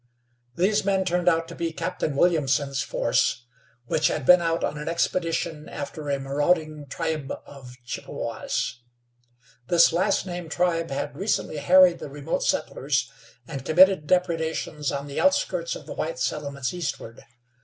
These men turned out to be Captain Williamson's force, which had been out on an expedition after a marauding tribe of Chippewas. This last named tribe had recently harried the remote settlers, and committed depredations on the outskirts of the white settlements eastward.